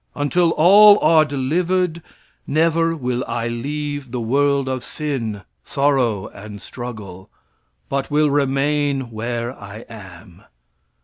Until all are delivered, never will I leave the world of sin, sorrow and struggle, but will remain where I am."